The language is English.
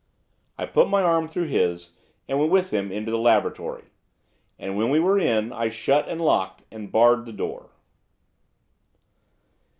I put my arm through his, and went with him into the laboratory. And, when we were in, I shut, and locked, and barred the door.